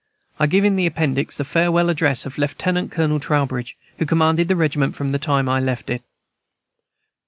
I give in the Appendix the farewell address of Lieutenant Colonel Trowbridge, who commanded the regiment from the time I left it.